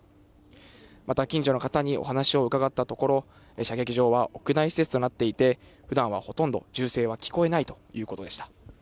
また近所の方にお話を伺ったところ、射撃場は屋内施設となっていて、ふだんはほとんど銃声は聞こえないということでした。